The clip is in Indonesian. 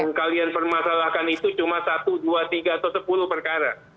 yang kalian permasalahkan itu cuma satu dua tiga atau sepuluh perkara